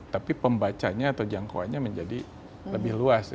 tapi pembacanya atau jangkauannya menjadi lebih luas